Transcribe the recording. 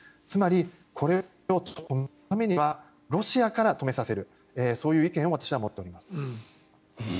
つまり、これを止めるためにはロシアから止めさせるそういう意見を私は持っています。